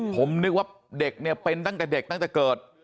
ผมนึกว่าเด็กเนี่ยเป็นตั้งแต่เด็กตั้งแต่เกิด